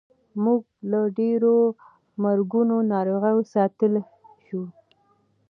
موږ له ډېرو مرګونو ناروغیو ساتلی شو.